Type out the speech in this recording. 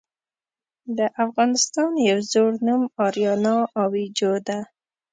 د افغانستان يو ﺯوړ نوم آريانا آويجو ده .